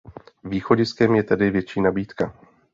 Východiskem je tady větší nabídka.